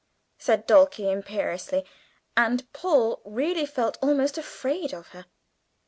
said Dulcie imperiously; and Paul really felt almost afraid of her.